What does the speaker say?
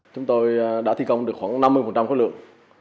chúng tôi đã thi công được khoảng năm mươi khối lượng